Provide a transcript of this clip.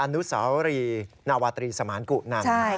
๑อนุสวรรค์นาวาตรีสมานกุนั่น